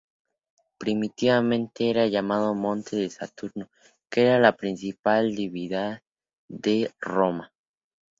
Primitivamente era llamado monte de Saturno, que era la principal divinidad de Roma.